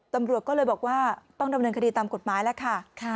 ตำรวจก็เลยบอกว่าต้องดำเนินคดีตามกฎหมายแล้วค่ะ